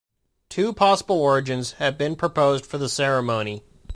Two possible origins have been proposed for the ceremony.